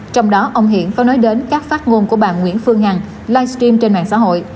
trong đó ông hiển có nói đến các phát ngôn của bà nguyễn phương hằng livestream trên mạng xã hội